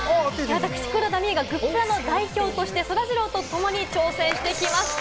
私、黒田みゆがグップラの代表としてそらジローとともに挑戦してきました。